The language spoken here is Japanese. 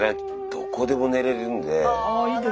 どこでも寝れるんで。